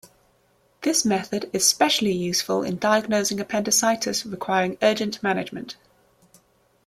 This method is specially useful in diagnosing appendicitis requiring urgent management.